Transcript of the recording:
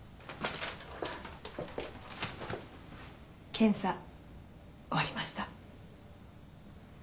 ・検査終わりました。